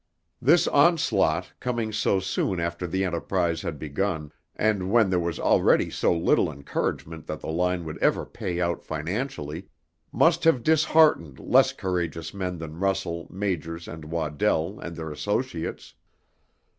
This onslaught, coming so soon after the enterprise had begun, and when there was already so little encouragement that the line would ever pay out financially, must have disheartened less courageous men than Russell, Majors and Waddell and their associates.